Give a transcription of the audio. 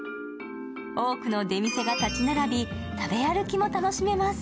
多くの出店が立ち並び、食べ歩きも楽しめます。